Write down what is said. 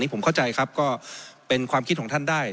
ผมเข้าใจครับก็เป็นความคิดของท่านได้